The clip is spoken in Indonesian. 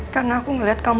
karena aku ngeliat kamu